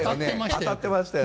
当たってましたよ。